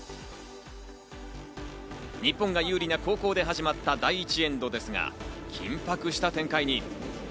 日本が有利な後攻で始まった第１エンドですが、緊迫した展開に。